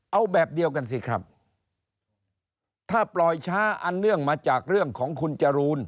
เอาแบบเดียวกันสิครับถ้าปล่อยช้าอันเนื่องมาจากเรื่องของคุณจรูน